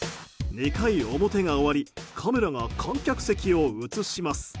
２回表が終わりカメラが観客席を映します。